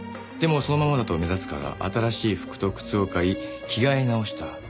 でもそのままだと目立つから新しい服と靴を買い着替え直した。